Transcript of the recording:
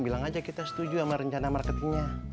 bilang aja kita setuju sama rencana marketingnya